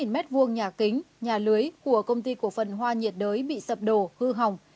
bốn mươi bốn m hai nhà kính nhà lưới của công ty của phần hoa nhiệt đới bị sập đổ hư hỏng